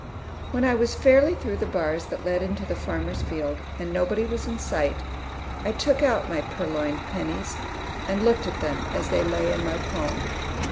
When I was fairly through the bars that led into the farmer's field, and nobody was in sight, I took out my purloined pennies, and looked at them as they lay in my palm.